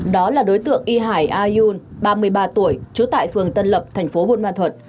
đó là đối tượng y hải a yun ba mươi ba tuổi trú tại phường tân lập tp bun ma thuật